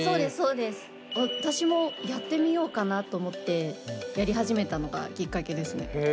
私もやってみようかなと思ってやり始めたのがきっかけですね。